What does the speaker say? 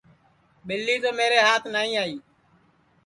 ٻیلی تو میرے ہات نائی آئی